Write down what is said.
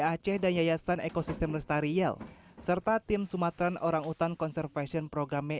aceh dan yayasan ekosistem lestari yel serta tim sumatran orangutan conservation program me